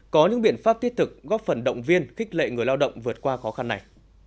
có những biện pháp thiết thực góp phần động viên khích lệ người lao động vượt qua khó khăn này